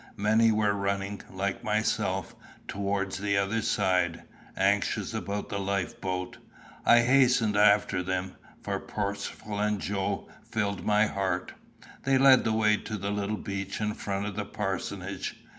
Many were running, like myself, towards the other side, anxious about the life boat. I hastened after them; for Percivale and Joe filled my heart. They led the way to the little beach in front of the parsonage.